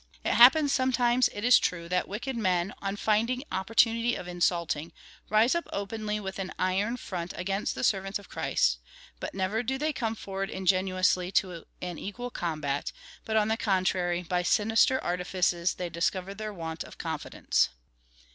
It hap pens sometimes, it is true, that wicked men, on finding opportunity of insulting, rise uj) openly with an iron front against the servants of Christ, but never do they come forward ingenuously to an equal combat,^ but on the con trary, by sinister artifices they discover their want of con fidence.